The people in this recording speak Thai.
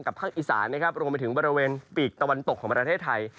ภาคอีสานนะครับรวมไปถึงบริเวณปีกตะวันตกของประเทศไทย